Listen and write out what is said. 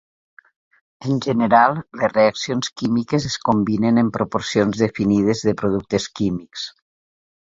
En general, les reaccions químiques es combinen en proporcions definides de productes químics.